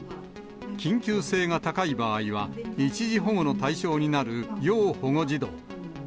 緊急性が高い場合は、一時保護の対象になる要保護児童。